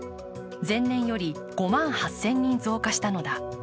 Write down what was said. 前年より５万８０００人増加したのだ。